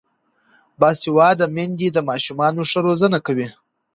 باسواده میندې د ماشومانو ښه روزنه کوي.